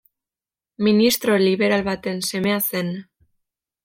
Ministro liberal baten semea zen.